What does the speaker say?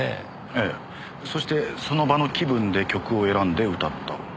ええそしてその場の気分で曲を選んで歌った。